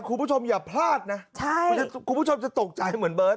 คุณผู้ชมอย่าพลาดนะคุณผู้ชมจะตกใจเหมือนเบิร์ต